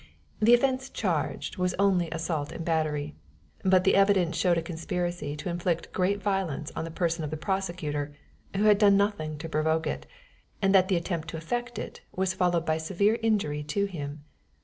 The offense charged was only assault and battery; but the evidence showed a conspiracy to inflict great violence on the person of the prosecutor, who had done nothing to provoke it, and that the attempt to effect it was followed by severe injury to him.